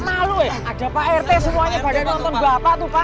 ada pak rt semuanya badannya nonton bapak tuh pak